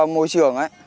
môi trường đấy